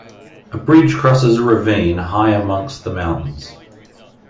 A bridge crosses a ravine high up amongst the mountains.